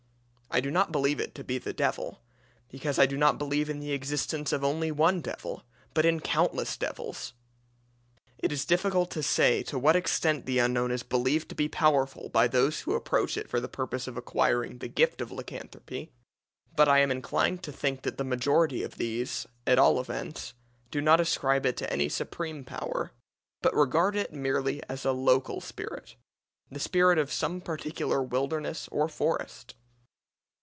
I do not believe it to be the Devil, because I do not believe in the existence of only one devil, but in countless devils. It is difficult to say to what extent the Unknown is believed to be powerful by those who approach it for the purpose of acquiring the gift of lycanthropy; but I am inclined to think that the majority of these, at all events, do not ascribe to it any supreme power, but regard it merely as a local spirit the spirit of some particular wilderness or forest.